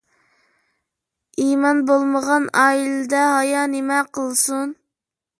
ئىمان بولمىغان ئائىلىدە ھايا نېمە قىلسۇن؟